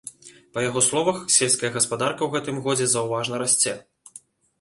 Па яго словах, сельская гаспадарка ў гэтым годзе заўважна расце.